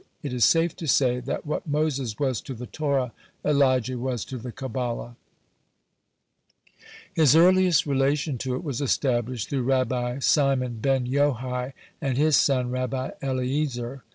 It is safe to say that what Moses was to the Torah, Elijah was to the Kabbalah. His earliest relation to it was established through Rabbi Simon ben Yohai and his son Rabbi Eliezer.